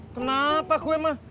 kenapa gua mah